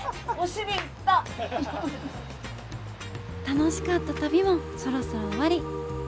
楽しかった旅もそろそろ終わり。